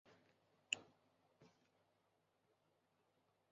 ตะเกียงได้สาดส่องเปลงไฟสีเขียวอย่างสม่ำเสมอ